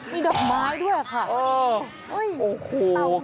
มีดอกไม้ด้วยค่ะโอ้โฮก๋วยังงูลงเลย